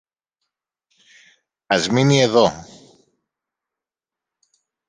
Ας μείνει εδώ.